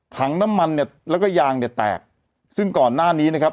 ถังน้ำมันเนี่ยแล้วก็ยางเนี่ยแตกซึ่งก่อนหน้านี้นะครับ